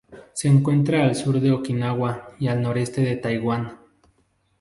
Se encuentra al sur de Okinawa y noreste de Taiwán.